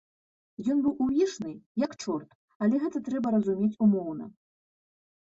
Ён быў увішны, як чорт, але гэта трэба разумець умоўна.